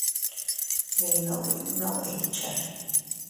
Binnu binnu ikche.